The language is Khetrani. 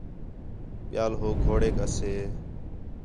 ٻِیال ہو گھوڑیک اَسے